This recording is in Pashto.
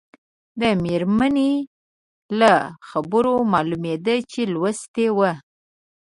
د مېرمنې له خبرو معلومېده چې لوستې وه.